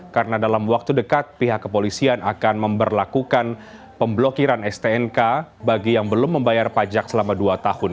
karena dalam waktu dekat pihak kepolisian akan memperlakukan pemblokiran stnk bagi yang belum membayar pajak selama dua tahun